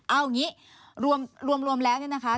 เอาอย่างนี้รวมแล้วเนี่ยนะคะ